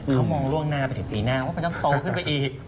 เขามองล่วงหน้าไปถึงปีหน้าว่ามันต้องโตขึ้นไปอีก